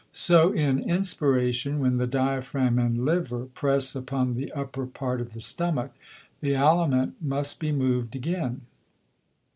So in Inspiration, when the Diaphragm and Liver press upon the upper part of the Stomach, the Aliment must be moved again.